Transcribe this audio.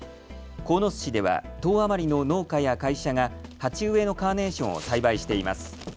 鴻巣市では１０余りの農家や会社が鉢植えのカーネーションを栽培しています。